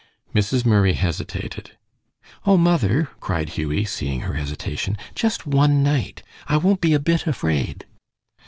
Mrs. Murray hesitated. "Oh, mother!" cried Hughie, seeing her hesitation, "just one night; I won't be a bit afraid."